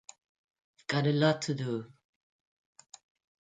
We’ve got a lot to do.